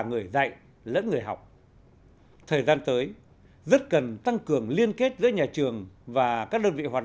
người dạy lẫn người học thời gian tới rất cần tăng cường liên kết giữa nhà trường và các đơn vị hoạt